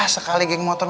sekali geng motor